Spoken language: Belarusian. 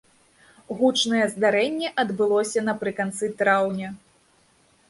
Гучнае здарэнне адбылося напрыканцы траўня.